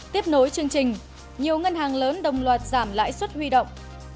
tiếp nối chương trình nhiều ngân hàng lớn đồng loạt giảm lãi suất huy động